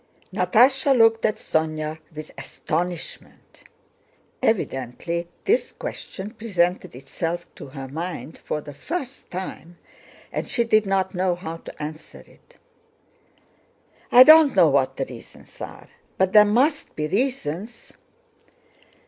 Natásha looked at Sónya with astonishment. Evidently this question presented itself to her mind for the first time and she did not know how to answer it. "I don't know what the reasons are. But there must be reasons!"